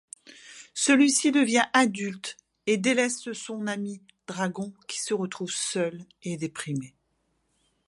Celui-ci devient adulte et délaisse son ami dragon qui se retrouve seul et déprimé.